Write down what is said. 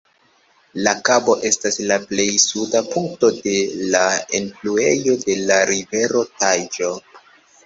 La kabo estas la plej suda punkto de la enfluejo de la rivero Taĵo.